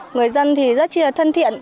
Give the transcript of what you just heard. người dân thì rất là thân thiện